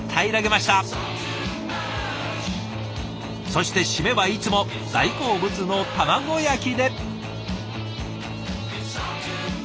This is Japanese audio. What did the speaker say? そして締めはいつも大好物の卵焼きで。